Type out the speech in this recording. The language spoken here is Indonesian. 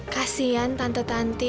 kasian tante tanti